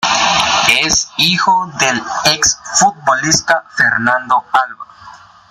Es hijo del ex futbolista Fernando Alva.